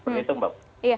menurut itu mbak bu